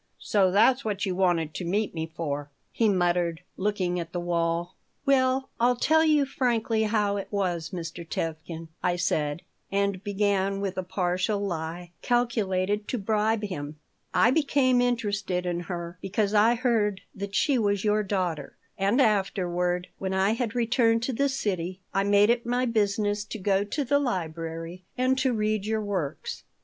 "So that's what you wanted to meet me for?" he muttered looking at the wall "Well, I'll tell you frankly how it was, Mr. Tevkin," I said, and began with a partial lie calculated to bribe him: "I became interested in her because I heard that she was your daughter, and afterward, when I had returned to the city, I made it my business to go to the library and to read your works.